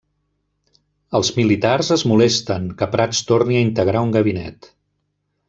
Els militars es molesten que Prats torni a integrar un gabinet.